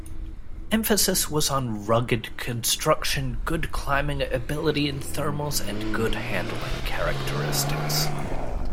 Emphasis was on rugged construction, good climbing ability in thermals and good handling characteristics.